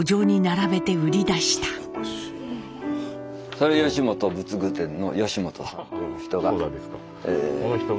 それ吉本仏具店の吉本さんという人が。